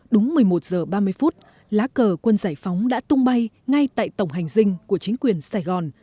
đúng một mươi một h ba mươi phút lá cờ quân giải phóng đã tung bay ngay tại tổng hành dinh của chính quyền sài gòn